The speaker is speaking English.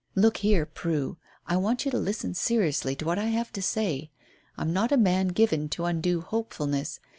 "Look here, Prue, I want you to listen seriously to what I have to say. I'm not a man given to undue hopefulness.